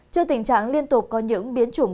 trên tình trạng liên tục có những biến trọng